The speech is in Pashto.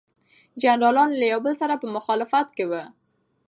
جنرالان له یو بل سره په مخالفت کې وو.